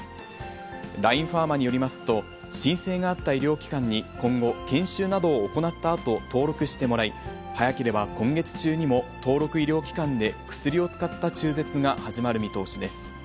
ラインファーマによりますと、申請があった医療機関に今後、研修などを行ったあと、登録してもらい、早ければ今月中にも登録医療機関で、薬を使った中絶が始まる見通しです。